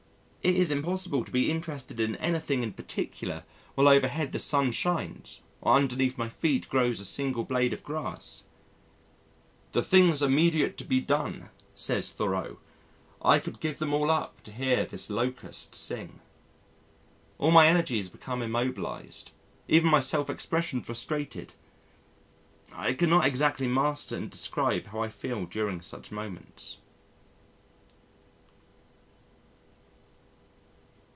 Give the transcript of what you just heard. It is impossible to be interested in anything in particular while overhead the sun shines or underneath my feet grows a single blade of grass. "The things immediate to be done," says Thoreau, "I could give them all up to hear this locust sing." All my energies become immobilised, even my self expression frustrated. I could not exactly master and describe how I feel during such moments.